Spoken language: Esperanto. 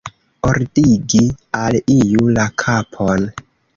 Ordigi al iu la kapon.